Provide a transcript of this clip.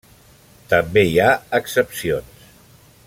També hi ha excepcions.